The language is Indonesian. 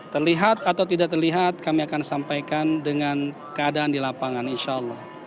terlihat atau tidak terlihat kami akan sampaikan dengan keadaan di lapangan insya allah